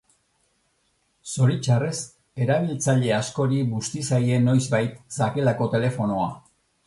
Zoritxarrez, erabiltzaile askori busti zaie noizbait sakelako telefonoa.